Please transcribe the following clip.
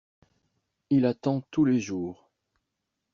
Il attend tous les jours.